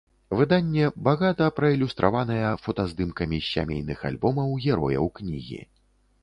Выданне багата праілюстраваная фотаздымкамі з сямейных альбомаў герояў кнігі.